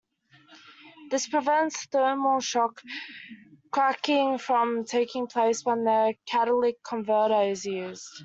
This prevents thermal shock cracking from taking place when the catalytic converter is used.